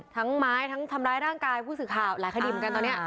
ไม้ทั้งทำร้ายร่างกายผู้สื่อข่าวหลายคดีเหมือนกันตอนนี้